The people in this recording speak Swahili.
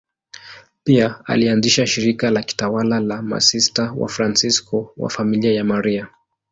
Pia alianzisha shirika la kitawa la Masista Wafransisko wa Familia ya Maria.